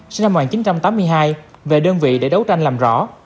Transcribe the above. sinh năm một nghìn chín trăm tám mươi hai về đơn vị để đấu tranh làm rõ